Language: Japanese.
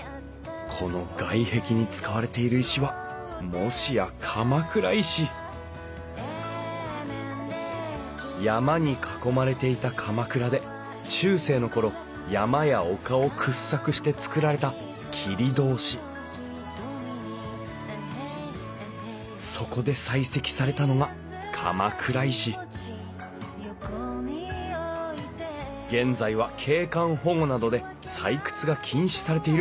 この外壁に使われている石はもしや鎌倉石山に囲まれていた鎌倉で中世の頃山や丘を掘削して造られた切通しそこで採石されたのが鎌倉石現在は景観保護などで採掘が禁止されている。